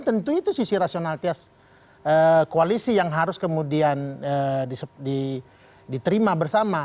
tentu itu sisi rasionalitas koalisi yang harus kemudian diterima bersama